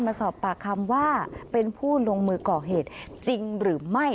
มาสอบปากคำว่าเป็นผู้ลงมือก่อเหตุจริงหรือไม่